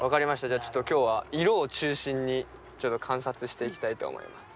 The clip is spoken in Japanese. じゃあちょっと今日は色を中心に観察していきたいと思います。